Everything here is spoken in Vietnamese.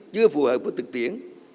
chưa phù hợp với thực tiễn